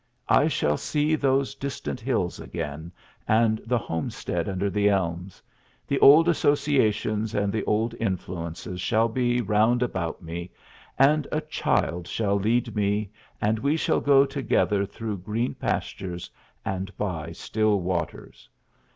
I shall see those distant hills again, and the homestead under the elms; the old associations and the old influences shall be round about me, and a child shall lead me and we shall go together through green pastures and by still waters.